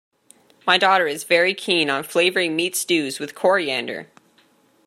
My daughter is very keen on flavouring meat stews with coriander